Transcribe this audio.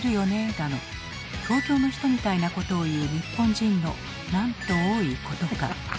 だの東京の人みたいなことを言う日本人のなんと多いことか。